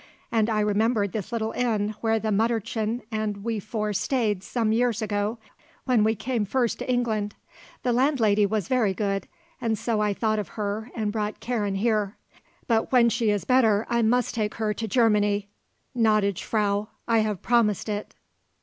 And I remembered this little inn where the Mütterchen and we four stayed some years ago, when we came first to England. The landlady was very good; and so I thought of her and brought Karen here. But when she is better I must take her to Germany, gnädige Frau. I have promised it."